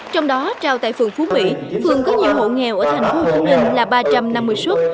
trong đó trao tại phường phú mỹ phường có nhiều hộ nghèo ở tp hcm là ba trăm năm mươi xuất